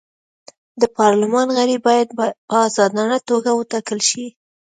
د پارلمان غړي باید په ازادانه توګه وټاکل شي.